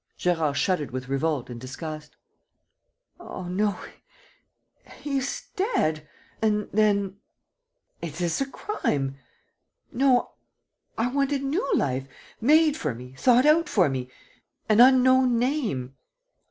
_" Gérard shuddered with revolt and disgust: "Oh, no, he is dead! ... And then ... it is a crime! ... No, I want a new life, made for me, thought out for me ... an unknown name.